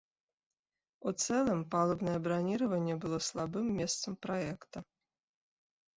У цэлым, палубнае браніраванне было слабым месцам праекта.